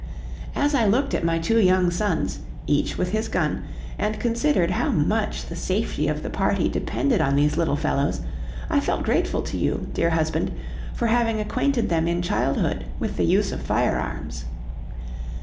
"As I looked at my two young sons, each with his gun, and considered how much the safety of the party depended on these little fellows, I felt grateful to you, dear husband, for having acquainted them in childhood with the use of firearms.